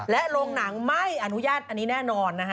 และโรงหนังไม่อนุญาตอันนี้แน่นอนนะฮะ